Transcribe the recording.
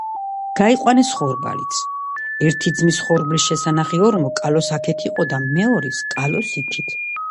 გაიყვეს ხორბალიც. ერთი ძმის ხორბლის შესანახი ორმო კალოს აქათ იყო და მეორის - კალოს იქით